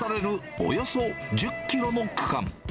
およそ１０キロの区間。